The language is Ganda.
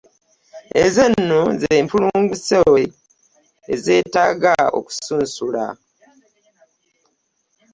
Ezo nno z'empulunguse ezeetaaga okusunsula.